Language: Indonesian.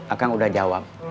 akang udah jawab